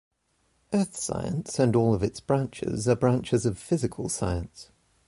Earth science, and all of its branches, are branches of physical science.